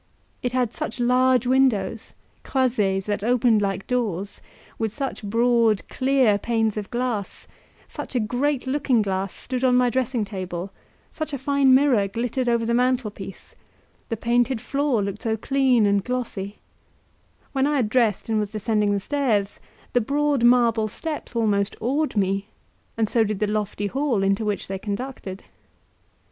It had such large windows CROISEES that opened like doors, with such broad, clear panes of glass; such a great looking glass stood on my dressing table such a fine mirror glittered over the mantelpiece the painted floor looked so clean and glossy; when I had dressed and was descending the stairs, the broad marble steps almost awed me, and so did the lofty hall into which they conducted.